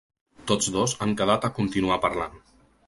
Tots dos han quedat a continuar parlant.